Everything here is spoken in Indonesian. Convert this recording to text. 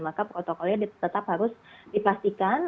maka protokolnya tetap harus dipastikan